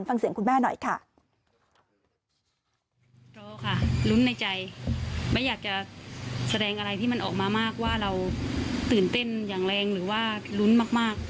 ฟังเสียงคุณแม่หน่อยค่ะ